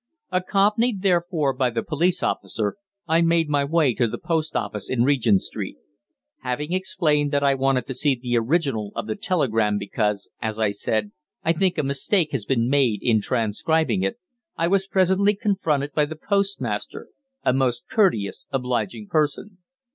Accompanied, therefore, by the police officer, I made my way to the post office in Regent Street. Having explained that I wanted to see the original of the telegram "because," as I said, "I think a mistake has been made in transcribing it," I was presently confronted by the postmaster, a most courteous, obliging person.